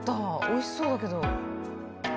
おいしそうだけど。